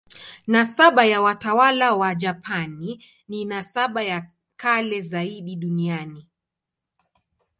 Nasaba ya watawala wa Japani ni nasaba ya kale zaidi duniani.